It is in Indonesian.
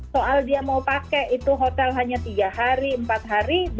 soal dia mau pakai itu hotel hanya tiga hari empat hari